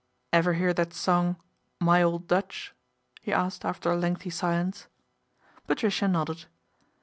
" Ever hear that song ' My Old Dutch '?" he asked after a lengthy silence. Patricia nodded.